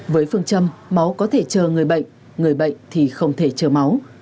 với phương châm máu có thể chờ người bệnh người bệnh thì không thể chờ máu